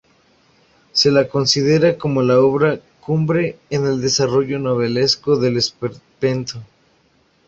Se la considera la obra cumbre en el desarrollo novelesco del Esperpento.